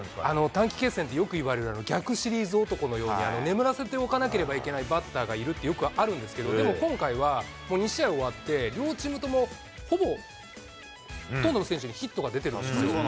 短期決戦ってよくいわれる逆シリーズ男のように、眠らせておかなければいけないバッターがいるってよくあるんですけど、でも今回は、もう２試合終わって、両チームともほぼ、ほとんどの選手にヒットが出てますよね。